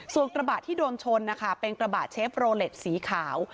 ส่วนกระบะที่โดนชนนะคะเป็นกระบะเชฟโรเล็ตสีขาว